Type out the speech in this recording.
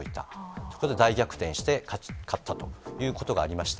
そこで大逆転して勝ったということがありました。